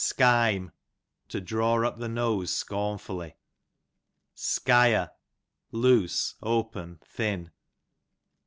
Skime, to draw up the nose scorn fully. Skire, loose, open, thin.